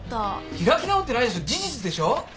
開き直ってないでしょ事実でしょ？